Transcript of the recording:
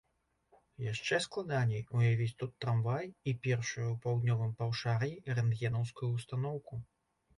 Яшчэ складаней уявіць тут трамвай і першую ў паўднёвым паўшар'і рэнтгенаўскую ўстаноўку.